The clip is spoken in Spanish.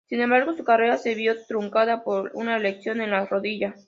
Sin embargo, su carrera se vio truncada por una lesión en la rodilla.